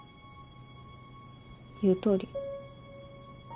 言うとおり。